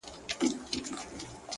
• بخته راته یو ښکلی صنم راکه..